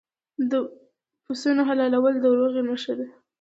د پسونو حلالول د روغې نښه ده.